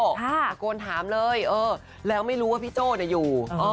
ปากโกนถามเลยเออแล้วไม่รู้ว่าพี่โจ๋เนี่ยอยู่